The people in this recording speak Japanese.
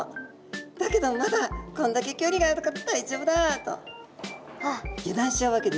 だけどまだこんだけ距離があるから大丈夫だ」と油断しちゃうわけですね。